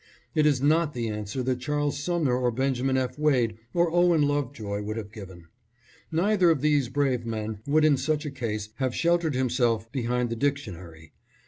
It is not the answer that Charles Sumner or Benjamin F. Wade or Owen Lovejoy would have given. Neither of these brave men would in such a case have sheltered himself behind the dictionary.